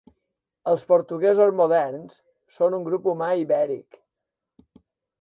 Els portuguesos moderns són un grup humà ibèric.